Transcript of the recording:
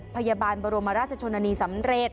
พยาบาลบรมราชชนนานีสำเร็จ